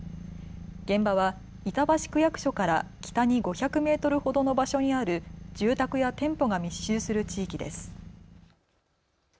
現場は板橋区役所から北に５００メートルほどの場所にある住宅や店舗が密集する地域です。